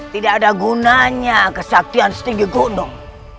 tidak ada gunanya kesaktian setinggi gunung